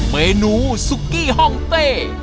เมนูซุกกี้ฮองเต้